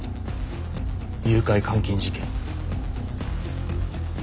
誘拐監禁事件。